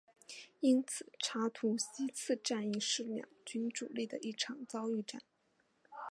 因此查图西茨战役是两军主力的一场遭遇战。